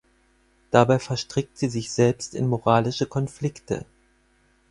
Dabei verstrickt sie sich selbst in moralische Konflikte.